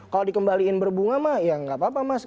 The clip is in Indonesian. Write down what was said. kalau dikembalikan berbunga ya nggak apa apa mas